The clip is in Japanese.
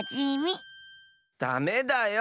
ダメだよ！